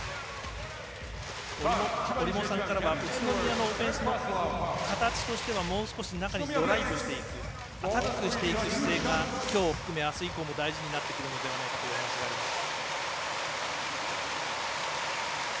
折茂さんからは宇都宮のオフェンスの形としてはもう少し中にドライブしていくアタックしていく姿勢がきょう含めあす以降も大事になってくるのではないかというお話がありました。